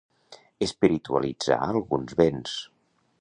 Espiritualitzar alguns béns.